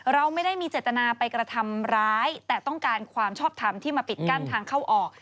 เราไม่ได้มีเจตนาไปกระทำร้ายแต่ต้องการความชอบทำที่มาปิดกั้นทางเข้าออก